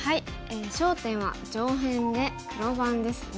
焦点は上辺で黒番ですね。